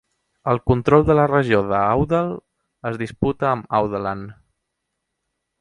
El control de la regió de Awdal es disputa amb Awdalland.